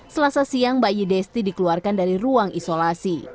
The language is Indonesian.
selasa siang bayi desti dikeluarkan dari ruang isolasi